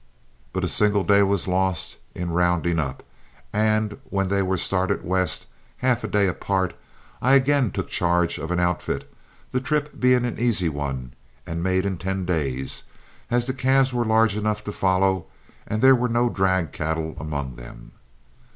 But a single day was lost in rounding up, when they were started west, half a day apart, and I again took charge of an outfit, the trip being an easy one and made in ten days, as the calves were large enough to follow and there were no drag cattle among them.